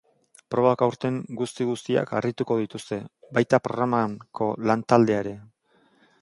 Probak aurten guzti-guztiak harrituko dituzte, baita programako lan-taldea ere.